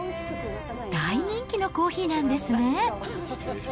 大人気のコーヒーなんですね。